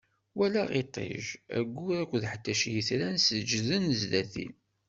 Walaɣ iṭij, aggur akked ḥdac n yetran seǧǧden zdat-i.